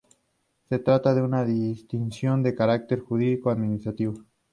Se trata de una distinción de carácter jurídico-administrativo.